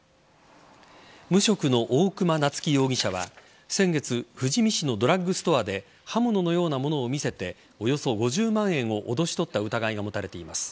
無職の大熊菜月容疑者は先月富士見市のドラッグストアで刃物のようなものを見せておよそ５０万円を脅し取った疑いが持たれています。